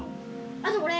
あとこれ。